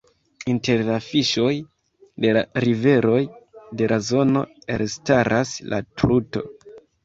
Inter la fiŝoj de la riveroj de la zono elstaras la Truto.